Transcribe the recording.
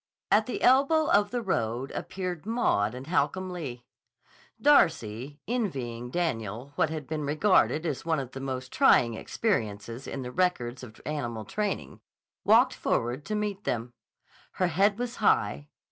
At the elbow of the road appeared Maud and Holcomb Lee. Darcy, envying Daniel what has been regarded as one of the most trying experiences in the records of animal training, walked forward to meet them. Her head was high.